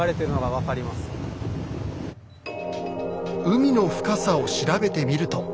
海の深さを調べてみると。